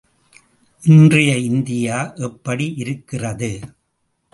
இன்றைய இந்தியா எப்படி இருக்கிறது?